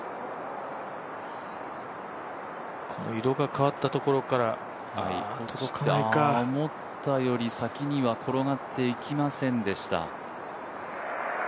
色が変わったところから思ったより先には転がっていきませんでした。